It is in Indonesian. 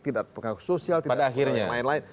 tidak ada pengaruh sosial tidak ada yang lain lain